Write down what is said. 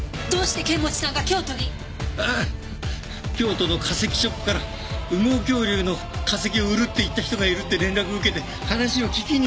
京都の化石ショップから羽毛恐竜の化石を売るって言った人がいるって連絡を受けて話を聞きに。